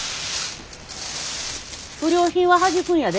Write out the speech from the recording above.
不良品ははじくんやで。